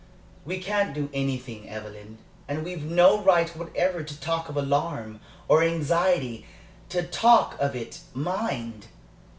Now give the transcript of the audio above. "We can't do anything, Evelyn, and we've no right whatever to talk of alarm, or anxiety to talk of it, mind!